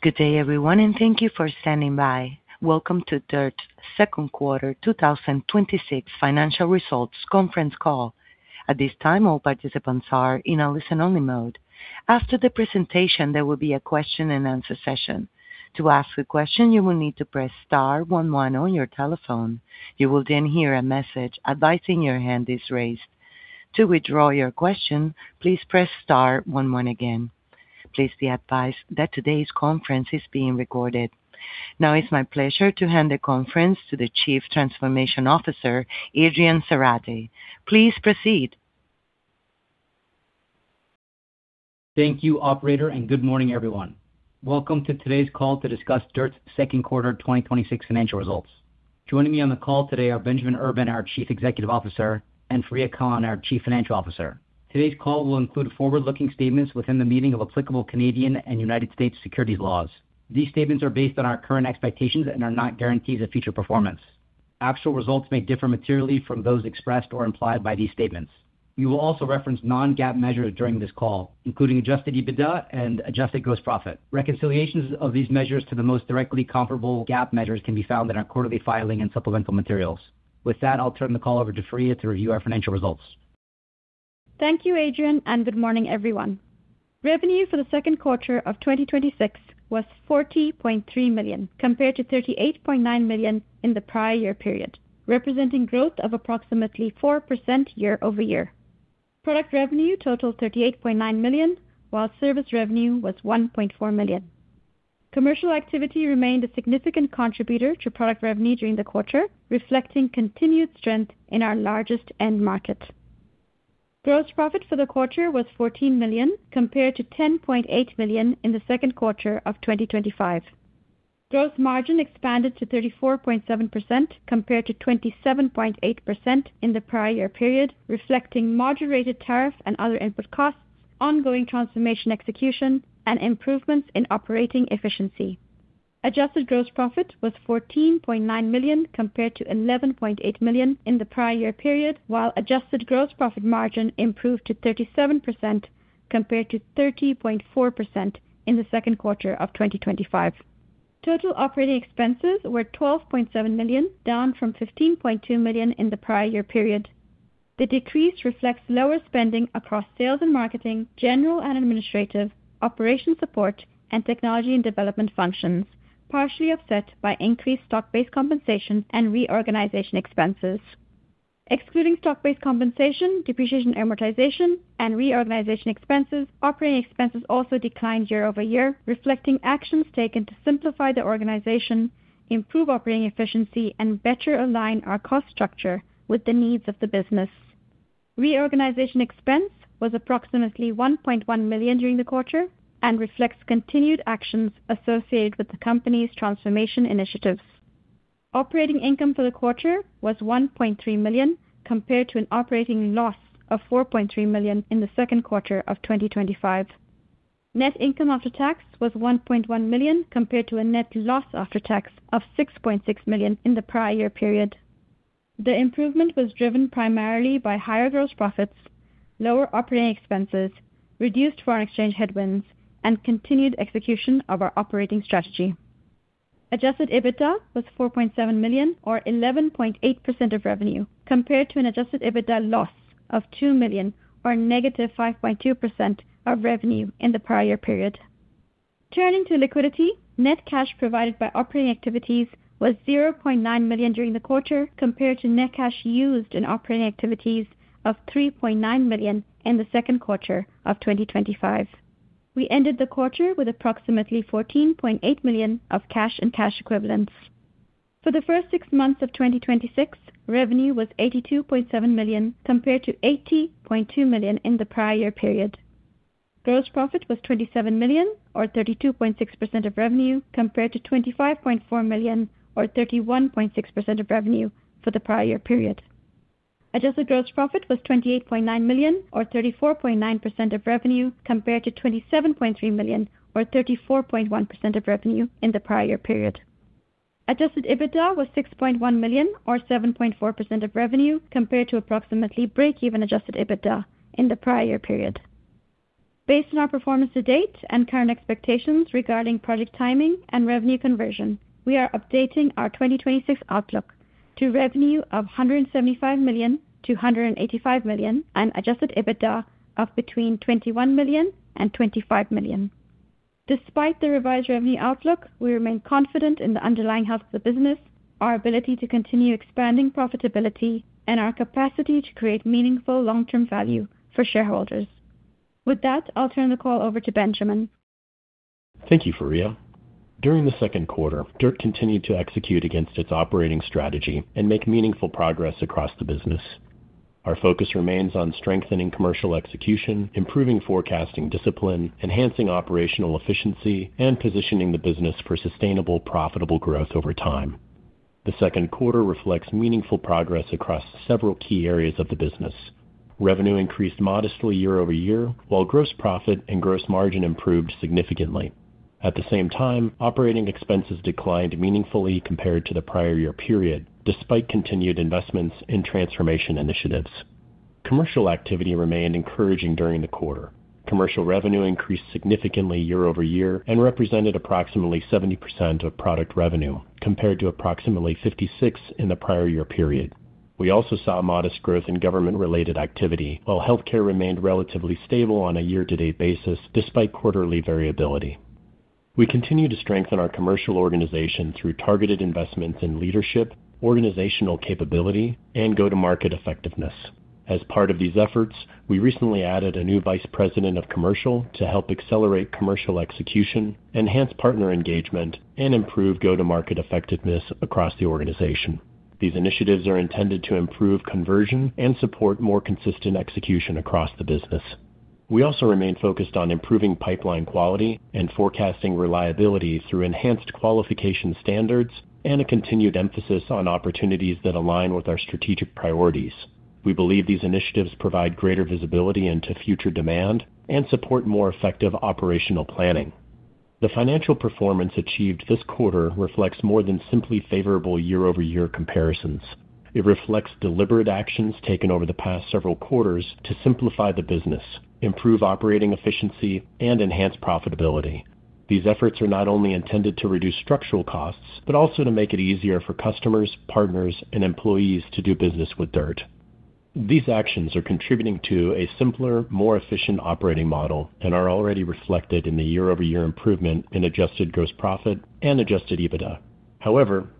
Good day everyone. Thank you for standing by. Welcome to DIRTT's Second Quarter 2026 Financial Results Conference Call. At this time, all participants are in a listen-only mode. After the presentation, there will be a question-and-answer session. To ask a question, you will need to press star one one on your telephone. You will hear a message advising your hand is raised. To withdraw your question, please press star one one again. Please be advised that today's conference is being recorded. It's my pleasure to hand the conference to the Chief Transformation Officer, Adrian Zarate. Please proceed. Thank you operator. Good morning everyone. Welcome to today's call to discuss DIRTT's second quarter 2026 financial results. Joining me on the call today are Benjamin Urban, our Chief Executive Officer, and Fareeha Khan, our Chief Financial Officer. Today's call will include forward-looking statements within the meaning of applicable Canadian and U.S. securities laws. These statements are based on our current expectations and are not guarantees of future performance. Actual results may differ materially from those expressed or implied by these statements. We will also reference non-GAAP measures during this call, including adjusted EBITDA and Adjusted Gross Profit. Reconciliations of these measures to the most directly comparable GAAP measures can be found in our quarterly filing and supplemental materials. With that, I'll turn the call over to Fareeha to review our financial results. Thank you Adrian. Good morning everyone. Revenue for the second quarter of 2026 was 40.3 million, compared to 38.9 million in the prior year period, representing growth of approximately 4% year-over-year. Product revenue totaled 38.9 million, while service revenue was 1.4 million. Commercial activity remained a significant contributor to product revenue during the quarter, reflecting continued strength in our largest end market. Gross profit for the quarter was 14 million, compared to 10.8 million in the second quarter of 2025. Gross margin expanded to 34.7%, compared to 27.8% in the prior year period, reflecting moderated tariff and other input costs, ongoing transformation execution, and improvements in operating efficiency. Adjusted Gross Profit was 14.9 million compared to 11.8 million in the prior year period, while Adjusted Gross Profit margin improved to 37%, compared to 30.4% in the second quarter of 2025. Total operating expenses were 12.7 million, down from 15.2 million in the prior year period. The decrease reflects lower spending across sales and marketing, general and administrative, operation support, and technology and development functions, partially offset by increased stock-based compensation and reorganization expenses. Excluding stock-based compensation, depreciation, amortization, and reorganization expenses, operating expenses also declined year-over-year, reflecting actions taken to simplify the organization, improve operating efficiency, and better align our cost structure with the needs of the business. Reorganization expense was approximately 1.1 million during the quarter and reflects continued actions associated with the company's transformation initiatives. Operating income for the quarter was 1.3 million, compared to an operating loss of 4.3 million in the second quarter of 2025. Net income after tax was 1.1 million, compared to a net loss after tax of 6.6 million in the prior year period. The improvement was driven primarily by higher gross profits, lower operating expenses, reduced foreign exchange headwinds, and continued execution of our operating strategy. Adjusted EBITDA was 4.7 million, or 11.8% of revenue, compared to an adjusted EBITDA loss of 2 million, or -5.2%, of revenue in the prior year period. Turning to liquidity, net cash provided by operating activities was 0.9 million during the quarter, compared to net cash used in operating activities of 3.9 million in the second quarter of 2025. We ended the quarter with approximately 14.8 million of cash and cash equivalents. For the first six months of 2026, revenue was 82.7 million, compared to 80.2 million in the prior year period. Gross profit was 27 million, or 32.6% of revenue, compared to 25.4 million, or 31.6% of revenue, for the prior year period. Adjusted gross profit was 28.9 million, or 34.9% of revenue, compared to 27.3 million, or 34.1% of revenue, in the prior period. Adjusted EBITDA was 6.1 million, or 7.4% of revenue, compared to approximately breakeven adjusted EBITDA in the prior year period. Based on our performance to date and current expectations regarding project timing and revenue conversion, we are updating our 2026 outlook to revenue of 175 million-185 million and adjusted EBITDA of between 21 million and 25 million. Despite the revised revenue outlook, we remain confident in the underlying health of the business, our ability to continue expanding profitability, and our capacity to create meaningful long-term value for shareholders. With that, I'll turn the call over to Benjamin. Thank you, Fareeha. During the second quarter, DIRTT continued to execute against its operating strategy and make meaningful progress across the business. Our focus remains on strengthening commercial execution, improving forecasting discipline, enhancing operational efficiency, and positioning the business for sustainable profitable growth over time. The second quarter reflects meaningful progress across several key areas of the business. Revenue increased modestly year-over-year, while gross profit and gross margin improved significantly. At the same time, operating expenses declined meaningfully compared to the prior year period, despite continued investments in transformation initiatives. Commercial activity remained encouraging during the quarter. Commercial revenue increased significantly year-over-year and represented approximately 70% of product revenue, compared to approximately 56% in the prior year period. We also saw modest growth in government-related activity, while healthcare remained relatively stable on a year-to-date basis, despite quarterly variability. We continue to strengthen our commercial organization through targeted investments in leadership, organizational capability, and go-to-market effectiveness. As part of these efforts, we recently added a new Vice President of Commercial to help accelerate commercial execution, enhance partner engagement, and improve go-to-market effectiveness across the organization. These initiatives are intended to improve conversion and support more consistent execution across the business. We also remain focused on improving pipeline quality and forecasting reliability through enhanced qualification standards and a continued emphasis on opportunities that align with our strategic priorities. We believe these initiatives provide greater visibility into future demand and support more effective operational planning. The financial performance achieved this quarter reflects more than simply favorable year-over-year comparisons. It reflects deliberate actions taken over the past several quarters to simplify the business, improve operating efficiency, and enhance profitability. These efforts are not only intended to reduce structural costs, but also to make it easier for customers, partners, and employees to do business with DIRTT. These actions are contributing to a simpler, more efficient operating model and are already reflected in the year-over-year improvement in Adjusted Gross Profit and adjusted EBITDA.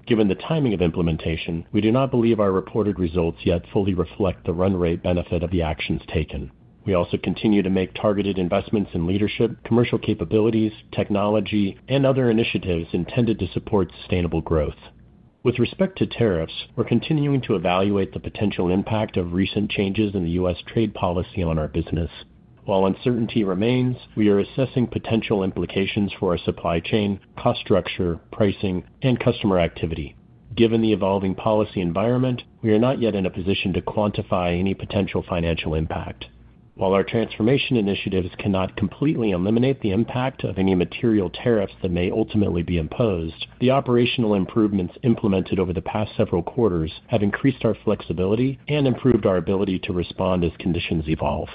Given the timing of implementation, we do not believe our reported results yet fully reflect the run rate benefit of the actions taken. We also continue to make targeted investments in leadership, commercial capabilities, technology, and other initiatives intended to support sustainable growth. With respect to tariffs, we're continuing to evaluate the potential impact of recent changes in the U.S. trade policy on our business. While uncertainty remains, we are assessing potential implications for our supply chain, cost structure, pricing, and customer activity. Given the evolving policy environment, we are not yet in a position to quantify any potential financial impact. While our transformation initiatives cannot completely eliminate the impact of any material tariffs that may ultimately be imposed, the operational improvements implemented over the past several quarters have increased our flexibility and improved our ability to respond as conditions evolve.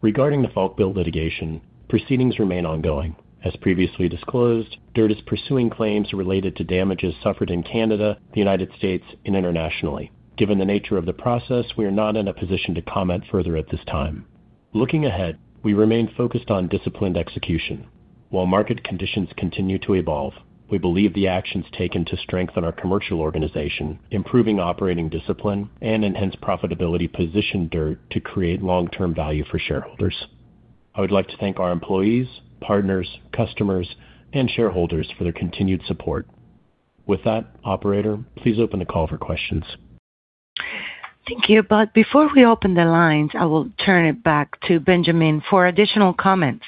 Regarding the Falkbuilt litigation, proceedings remain ongoing. As previously disclosed, DIRTT is pursuing claims related to damages suffered in Canada, the United States, and internationally. Given the nature of the process, we are not in a position to comment further at this time. Looking ahead, we remain focused on disciplined execution. While market conditions continue to evolve, we believe the actions taken to strengthen our commercial organization, improving operating discipline, and enhance profitability position DIRTT to create long-term value for shareholders. I would like to thank our employees, partners, customers, and shareholders for their continued support. With that, operator, please open the call for questions. Thank you. Before we open the lines, I will turn it back to Benjamin for additional comments.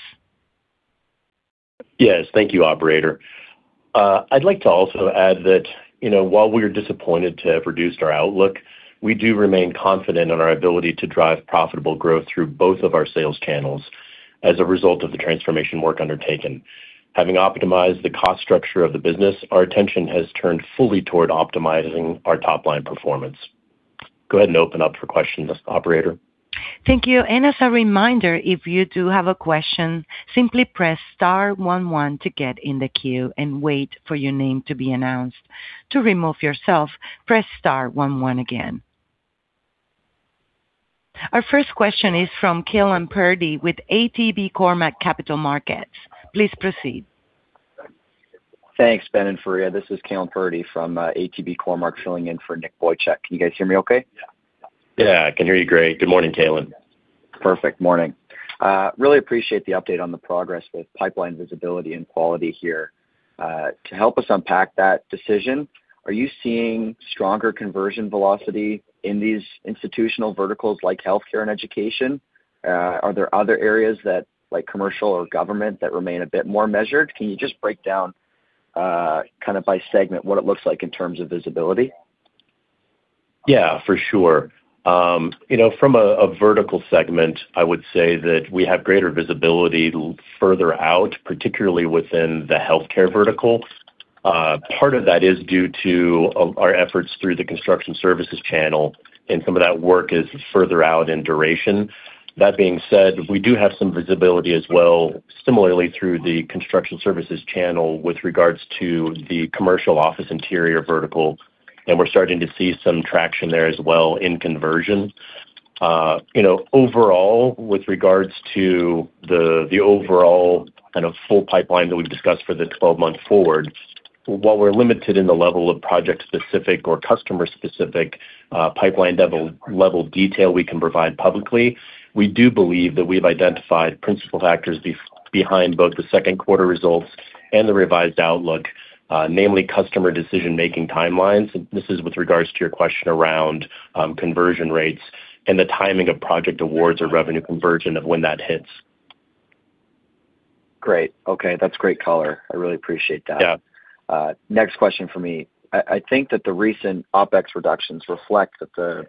Yes, thank you, operator. I'd like to also add that while we are disappointed to have reduced our outlook, we do remain confident in our ability to drive profitable growth through both of our sales channels as a result of the transformation work undertaken. Having optimized the cost structure of the business, our attention has turned fully toward optimizing our top-line performance. Go ahead and open up for questions, operator. Thank you. As a reminder, if you do have a question, simply press star one one to get in the queue and wait for your name to be announced. To remove yourself, press star one one again. Our first question is from Kaelan Purdie with ATB Cormark Capital Markets. Please proceed. Thanks, Ben and Fareeha. This is Kaelan Purdie from ATB Cormark, filling in for Nicholas Boychuk. Can you guys hear me okay? Yeah, I can hear you great. Good morning, Kaelan. Perfect. Morning. Really appreciate the update on the progress with pipeline visibility and quality here. To help us unpack that decision, are you seeing stronger conversion velocity in these institutional verticals like healthcare and education? Are there other areas like commercial or government that remain a bit more measured? Can you just break down by segment what it looks like in terms of visibility? Yeah, for sure. From a vertical segment, I would say that we have greater visibility further out, particularly within the healthcare vertical. Part of that is due to our efforts through the Construction Services channel, and some of that work is further out in duration. That being said, we do have some visibility as well, similarly through the Construction Services channel with regards to the commercial office interior vertical, and we're starting to see some traction there as well in conversion. Overall, with regards to the overall kind of full pipeline that we've discussed for the 12 months forward, while we're limited in the level of project-specific or customer-specific pipeline-level detail we can provide publicly, we do believe that we've identified principal factors behind both the second quarter results and the revised outlook, namely customer decision-making timelines, and this is with regards to your question around conversion rates and the timing of project awards or revenue conversion of when that hits. Great. Okay. That's great color. I really appreciate that. Yeah. Next question for me. I think that the recent OpEx reductions reflect that the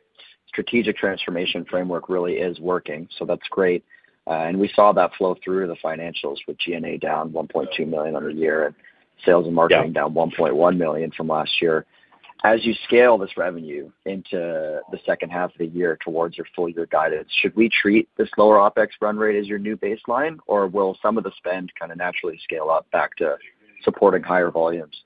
strategic transformation framework really is working, so that's great. We saw that flow through to the financials with G&A down 1.2 million on the year and sales and marketing- Yeah down 1.1 million from last year. As you scale this revenue into the second half of the year towards your full-year guidance, should we treat this lower OpEx run rate as your new baseline, or will some of the spend naturally scale up back to supporting higher volumes?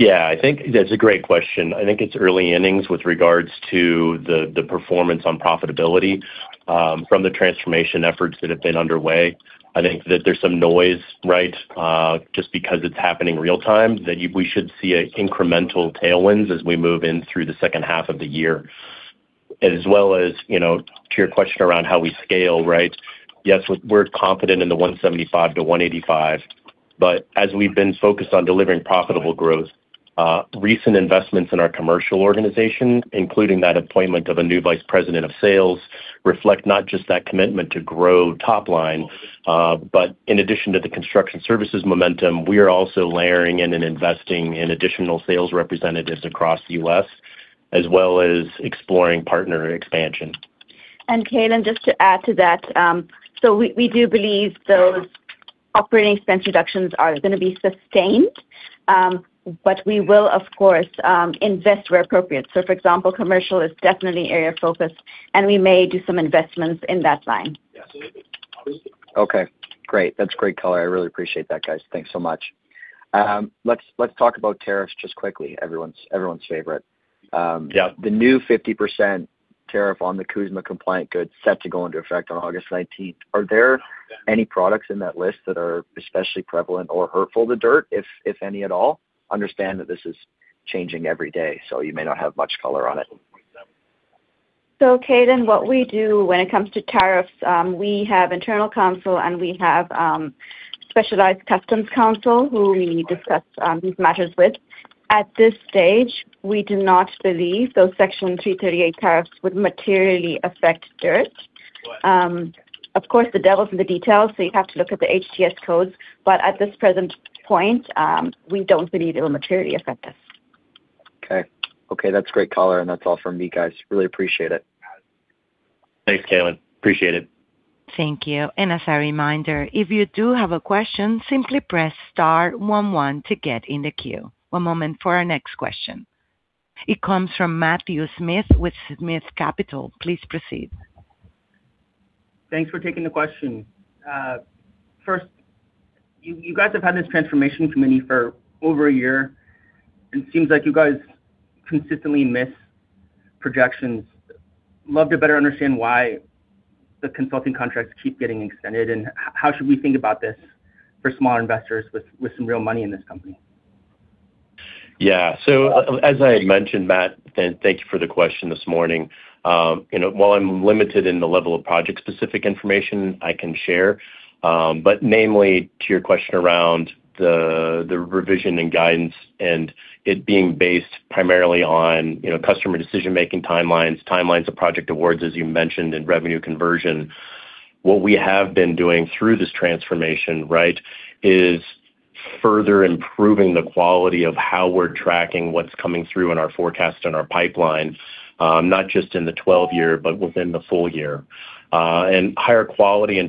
Yeah, that's a great question. I think it's early innings with regards to the performance on profitability from the transformation efforts that have been underway. I think that there's some noise, right? Just because it's happening real time, that we should see incremental tailwinds as we move in through the second half of the year. As well as to your question around how we scale, right? Yes, we're confident in the 175 million-185 million. As we've been focused on delivering profitable growth, recent investments in our commercial organization, including that appointment of a new vice president of sales, reflect not just that commitment to grow top line. In addition to the Construction Services momentum, we are also layering in and investing in additional sales representatives across the U.S., as well as exploring partner expansion. Kaelan, just to add to that, we do believe those operating expense reductions are going to be sustained. We will, of course, invest where appropriate. For example, commercial is definitely area of focus, and we may do some investments in that line. Okay, great. That's great color. I really appreciate that, guys. Thanks so much. Let's talk about tariffs just quickly. Everyone's favorite. Yeah. The new 50% tariff on the CUSMA compliant goods set to go into effect on August 19th. Are there any products in that list that are especially prevalent or hurtful to DIRTT, if any at all? Understand that this is changing every day, you may not have much color on it. Kaelan, what we do when it comes to tariffs, we have internal counsel, and we have specialized customs counsel who we discuss these matters with. At this stage, we do not believe those Section 301 tariffs would materially affect DIRTT. Of course, the devil's in the details, you'd have to look at the HTS codes. At this present point, we don't believe it will materially affect us. Okay. That's great color. That's all from me, guys. Really appreciate it. Thanks, Kaelan. Appreciate it. Thank you. As a reminder, if you do have a question, simply press star one one to get in the queue. One moment for our next question. It comes from Matthew Smith with Smith Capital. Please proceed. Thanks for taking the question. First, you guys have had this Transformation committee for over a year, it seems like you guys consistently miss projections. Love to better understand why the consulting contracts keep getting extended, how should we think about this for smaller investors with some real money in this company? As I mentioned, Matt, thank you for the question this morning. While I'm limited in the level of project-specific information I can share, namely to your question around the revision and guidance it being based primarily on customer decision-making timelines of project awards, as you mentioned, revenue conversion. What we have been doing through this transformation is further improving the quality of how we're tracking what's coming through in our forecast and our pipeline. Not just in the 12-year, but within the full year. Higher quality and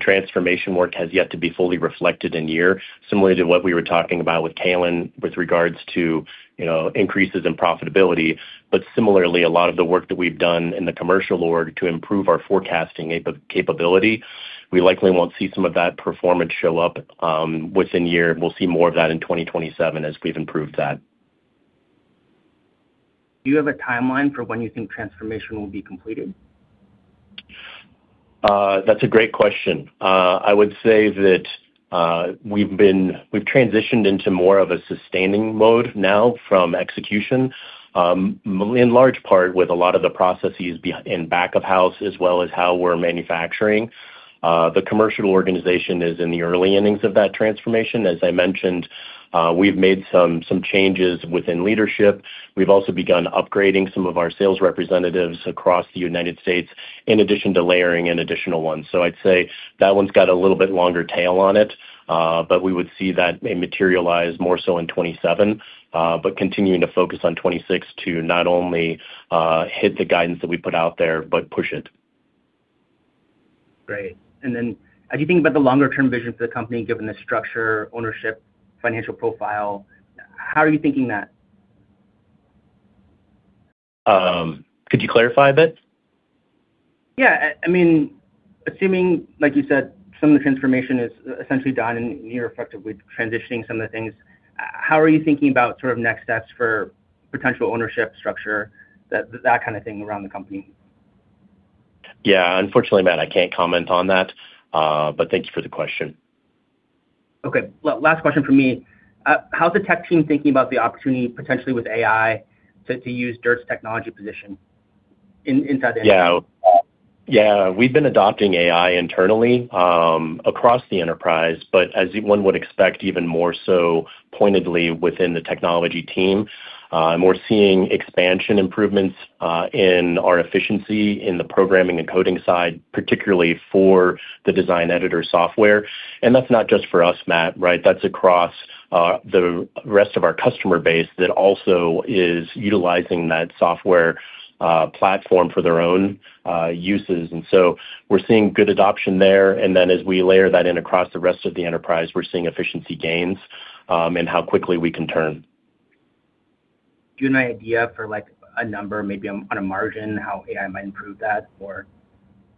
transformation work has yet to be fully reflected in year, similar to what we were talking about with Kaelan with regards to increases in profitability. Similarly, a lot of the work that we've done in the commercial org to improve our forecasting capability, we likely won't see some of that performance show up within year. We'll see more of that in 2027 as we've improved that. Do you have a timeline for when you think transformation will be completed? That's a great question. I would say that we've transitioned into more of a sustaining mode now from execution, in large part with a lot of the processes in back of house as well as how we're manufacturing. The commercial organization is in the early innings of that transformation. As I mentioned, we've made some changes within leadership. We've also begun upgrading some of our sales representatives across the United States, in addition to layering in additional ones. I'd say that one's got a little bit longer tail on it. We would see that materialize more so in 2027. Continuing to focus on 2026 to not only hit the guidance that we put out there, but push it. Great. Then as you think about the longer term vision for the company, given the structure, ownership, financial profile, how are you thinking that? Could you clarify a bit? Yeah. Assuming, like you said, some of the transformation is essentially done and you're effectively transitioning some of the things, how are you thinking about next steps for potential ownership structure, that kind of thing around the company? Yeah. Unfortunately, Matt, I can't comment on that. Thank you for the question. Okay. Last question from me. How's the tech team thinking about the opportunity potentially with AI to use DIRTT's technology position inside the enterprise? Yeah. We've been adopting AI internally across the enterprise, as one would expect, even more so pointedly within the technology team. We're seeing expansion improvements in our efficiency in the programming and coding side, particularly for the Design Editor software. That's not just for us, Matt, right? That's across the rest of our customer base that also is utilizing that software -platform for their own uses. We're seeing good adoption there. As we layer that in across the rest of the enterprise, we're seeing efficiency gains in how quickly we can turn. Do you have an idea for a number, maybe on a margin, how AI might improve that or?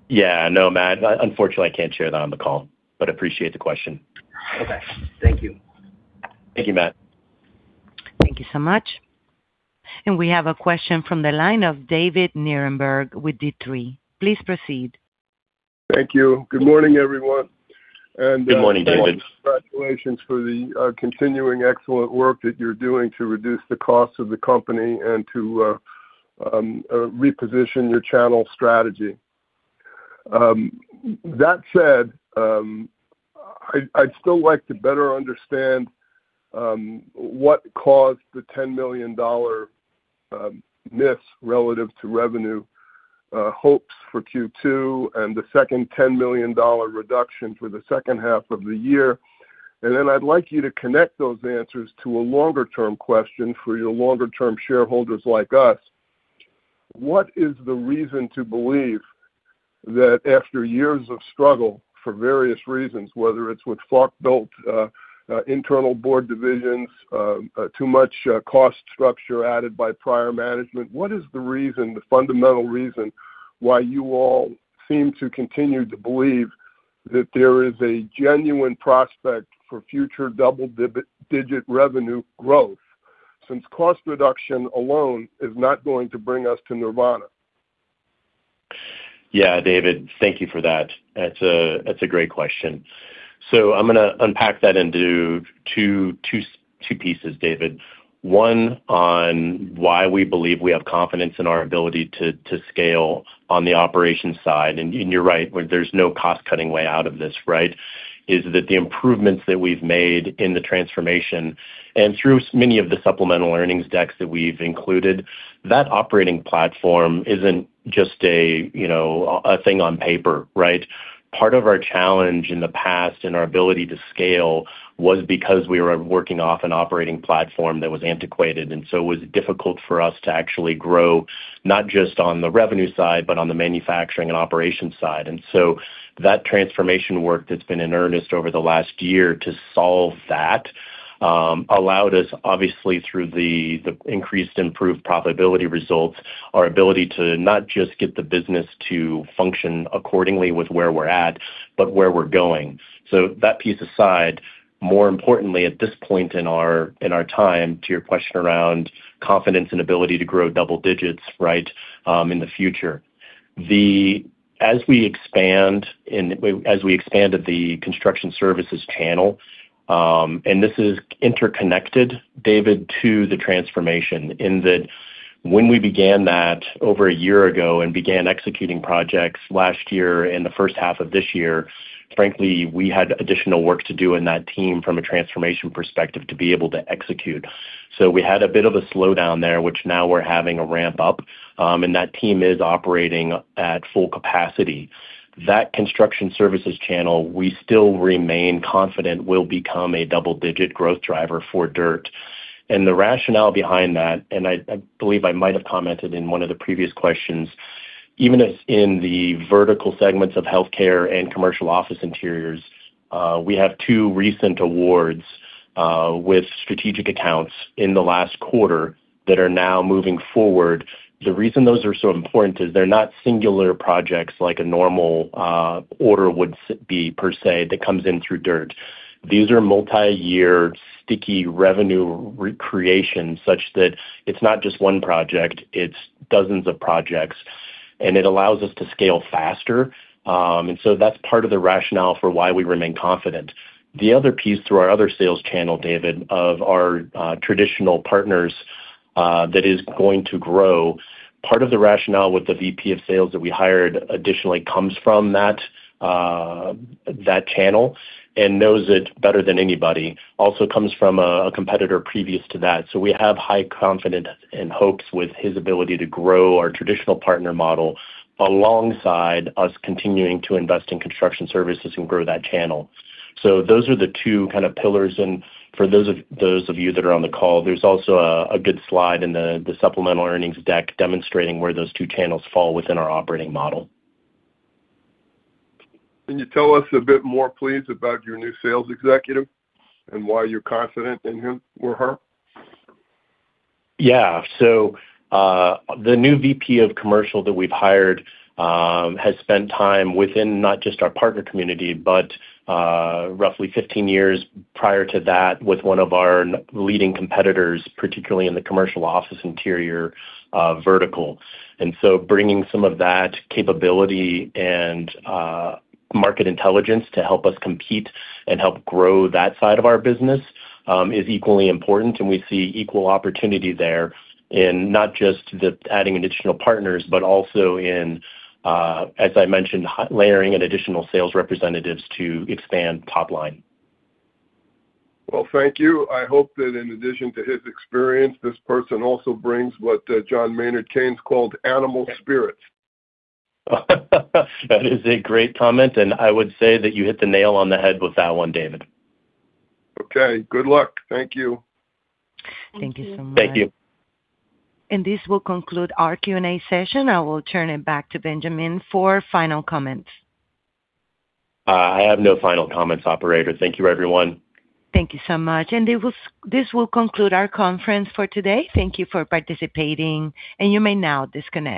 Yeah. No, Matt, unfortunately, I can't share that on the call, but appreciate the question. Okay. Thank you. Thank you, Matt. Thank you so much. We have a question from the line of David Nierenberg with D3. Please proceed. Thank you. Good morning, everyone. Good morning, David. Benjamin, congratulations for the continuing excellent work that you're doing to reduce the cost of the company and to reposition your channel strategy. That said, I'd still like to better understand what caused the 10 million dollar miss relative to revenue hopes for Q2 and the second 10 million dollar reduction for the second half of the year. I'd like you to connect those answers to a longer-term question for your longer-term shareholders like us. What is the reason to believe that after years of struggle, for various reasons, whether it's with Falkbuilt internal board divisions, too much cost structure added by prior management, what is the fundamental reason why you all seem to continue to believe that there is a genuine prospect for future double-digit revenue growth, since cost reduction alone is not going to bring us to nirvana? David, thank you for that. That's a great question. I'm going to unpack that into two pieces, David. One, on why we believe we have confidence in our ability to scale on the operations side. You're right, there's no cost-cutting way out of this, right? Is that the improvements that we've made in the transformation, and through many of the supplemental earnings decks that we've included, that operating platform isn't just a thing on paper, right? Part of our challenge in the past and our ability to scale was because we were working off an operating platform that was antiquated, and so it was difficult for us to actually grow, not just on the revenue side, but on the manufacturing and operations side. That transformation work that's been in earnest over the last year to solve that allowed us, obviously, through the increased improved profitability results, our ability to not just get the business to function accordingly with where we're at, but where we're going. That piece aside, more importantly, at this point in our time, to your question around confidence and ability to grow double-digits in the future. As we expanded the Construction Services channel, and this is interconnected, David, to the transformation, in that when we began that over a year ago and began executing projects last year and the first half of this year, frankly, we had additional work to do in that team from a transformation perspective to be able to execute. We had a bit of a slowdown there, which now we're having a ramp-up, and that team is operating at full capacity. That Construction Services channel, we still remain confident will become a double-digit growth driver for DIRTT. The rationale behind that, and I believe I might have commented in one of the previous questions, even as in the vertical segments of healthcare and commercial office interiors, we have two recent awards with strategic accounts in the last quarter that are now moving forward. The reason those are so important is they're not singular projects like a normal order would be per se, that comes in through DIRTT. These are multiyear sticky revenue recreations such that it's not just one project, it's dozens of projects, and it allows us to scale faster. That's part of the rationale for why we remain confident. David, the other piece through our other sales channel of our traditional partners that is going to grow, part of the rationale with the VP of sales that we hired additionally comes from that channel and knows it better than anybody. Also comes from a competitor previous to that. We have high confidence and hopes with his ability to grow our traditional partner model alongside us continuing to invest in Construction Services and grow that channel. Those are the two kind of pillars. For those of you that are on the call, there is also a good slide in the supplemental earnings deck demonstrating where those two channels fall within our operating model. Can you tell us a bit more, please, about your new sales executive and why you are confident in him or her? Yeah. The new VP of commercial that we have hired has spent time within not just our partner community, but roughly 15 years prior to that with one of our leading competitors, particularly in the commercial office interior vertical. Bringing some of that capability and market intelligence to help us compete and help grow that side of our business is equally important, and we see equal opportunity there in not just the adding additional partners, but also in, as I mentioned, layering in additional sales representatives to expand top line. Well, thank you. I hope that in addition to his experience, this person also brings what John Maynard Keynes called animal spirits. That is a great comment, and I would say that you hit the nail on the head with that one, David. Okay. Good luck. Thank you. Thank you so much. Thank you. This will conclude our Q&A session. I will turn it back to Benjamin for final comments. I have no final comments, operator. Thank you, everyone. Thank you so much. This will conclude our conference for today. Thank you for participating, and you may now disconnect.